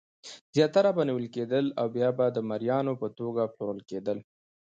زیاتره به نیول کېدل او بیا د مریانو په توګه پلورل کېدل.